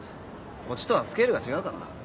こっちとはスケールが違うからな。